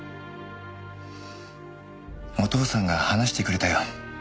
お父さんが話してくれたよ。